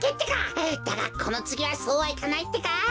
だがこのつぎはそうはいかないってか！